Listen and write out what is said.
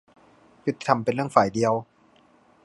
ยุติธรรมเป็นเรื่องฝ่ายเดียว ?